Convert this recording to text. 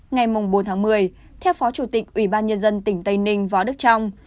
ngày bốn tháng một mươi theo phó chủ tịch ubnd tỉnh tây ninh võ đức trong